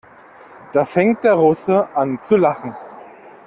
Da fängt der Russe an zu lachen.